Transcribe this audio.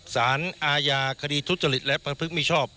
สารอาญาคดีทุตริศแล้วพระพฤษมิชอบ